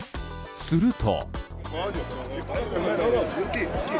すると。